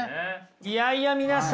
いやいや皆さん